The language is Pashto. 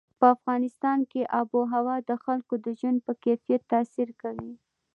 په افغانستان کې آب وهوا د خلکو د ژوند په کیفیت تاثیر کوي.